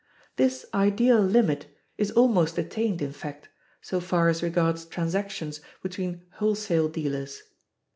This ideal limit is almost attained, in fact, so far as regards transactions between [wholesale] dealers.